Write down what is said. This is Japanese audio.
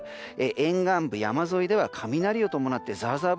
沿岸部、山沿いでは雷を伴ってザーザー